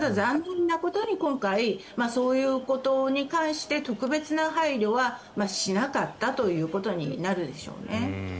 ただ、残念なことに今回そういうことに関して特別な配慮はしなかったということになるでしょうね。